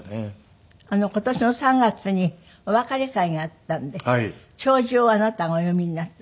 今年の３月にお別れ会があったんで弔辞をあなたがお読みになった。